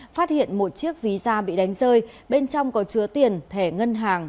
phát hiện một chiếc ví da bị đánh rơi bên trong có chứa tiền thẻ ngân hàng